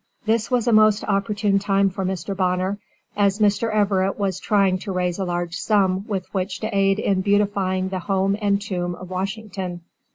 This was a most opportune time for Mr. Bonner, as Mr. Everett was trying to raise a large sum with which to aid in beautifying the home and tomb of Washington.